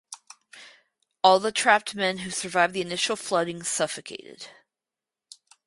All the trapped men who survived the initial flooding suffocated.